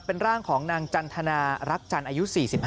เป็นร่างของนางจันทนารักจันทร์อายุ๔๕